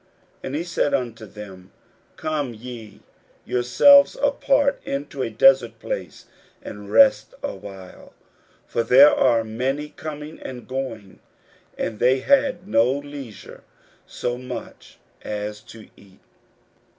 41:006:031 And he said unto them, Come ye yourselves apart into a desert place, and rest a while: for there were many coming and going, and they had no leisure so much as to eat.